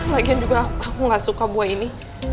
lagian juga aku gak suka buah ini